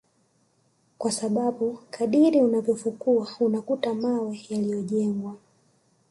kwa sababu kadiri unavyofukua unakuta mawe yaliyojengwa